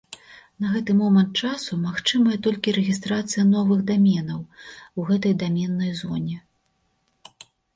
На гэты момант часу магчымая толькі рэгістрацыя новых даменаў у гэтай даменнай зоне.